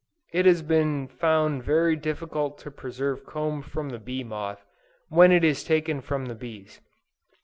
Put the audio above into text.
It has been found very difficult to preserve comb from the bee moth, when it is taken from the bees.